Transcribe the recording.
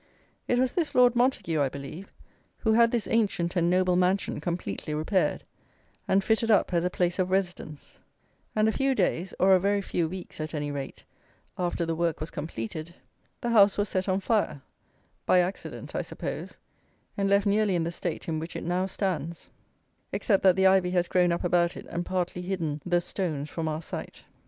It was this Lord Montague, I believe, who had this ancient and noble mansion completely repaired, and fitted up as a place of residence: and a few days, or a very few weeks, at any rate, after the work was completed, the house was set on fire (by accident, I suppose), and left nearly in the state in which it now stands, except that the ivy has grown up about it and partly hidden the stones from our sight.